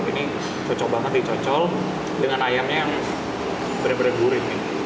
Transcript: ini cocok banget dicocol dengan ayamnya yang benar benar gurih